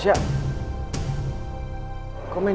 seperti itu gue bilang